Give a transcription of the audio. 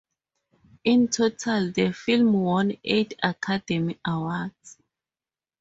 In total, the film won eight Academy Awards.